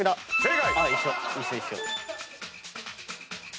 正解。